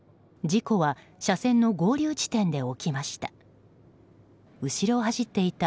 事故は車線の合流地点で起きました。